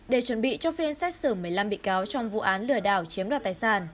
để chuẩn bị cho phiên xét xử một mươi năm bị cáo trong vụ án lừa đảo chiếm đoạt tài sản